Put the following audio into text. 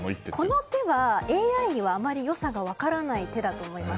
この手は、ＡＩにはあまり良さが分からない手だと思います。